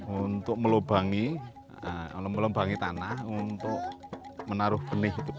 untuk melubangi tanah untuk menaruh benih